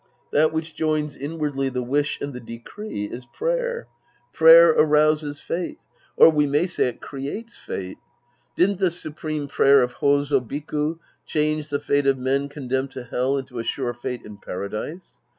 That which joins inwardly the wish and the decree is prayer. Prayer arouses fate. Or we may say it creates fate. Didn't the supreme prayer of Hozo Biku change the fate of men condemned to Hell into a sure fate in Paradise